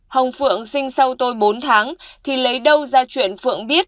hồng phượng sinh sau tôi bốn tháng thì lấy đâu ra chuyện phượng biết